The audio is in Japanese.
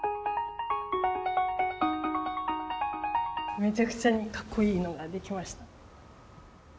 めちゃくちゃにカッコいいのができました。